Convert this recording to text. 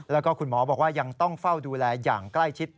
แล้วก็คุณหมอบอกว่ายังต้องเฝ้าดูแลอย่างใกล้ชิด